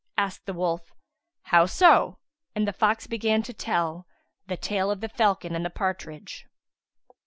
Asked the wolf, "How so?"; and the fox began to tell The Tale of the Falcon[FN#155] and the Partridge.